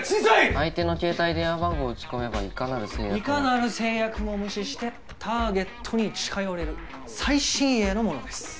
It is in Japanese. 相手の携帯電話番号を打ち込めばいかなる制約もいかなる制約も無視してターゲットに近寄れる最新鋭のものです